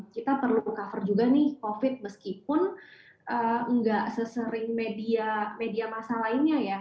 kita perlu cover juga nih covid meskipun nggak sesering media masa lainnya ya